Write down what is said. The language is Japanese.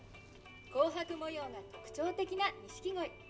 紅白模様が特徴的な錦鯉。